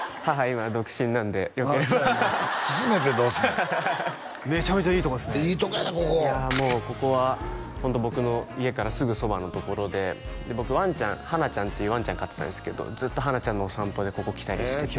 今独身なんでよければ薦めてどうすんのめちゃめちゃいいとこですねいいとこやでここいやもうここはホント僕の家からすぐそばのところで僕わんちゃんハナちゃんっていうわんちゃん飼ってたんですけどずっとハナちゃんのお散歩でここ来たりしててえ